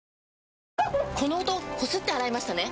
この音こすって洗いましたね？